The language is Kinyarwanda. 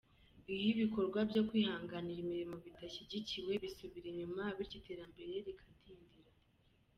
Iyo ibikorwa byo kwihangira imirimo bidashyigikiwe bisubira inyuma, bityo iterambere rikadindira.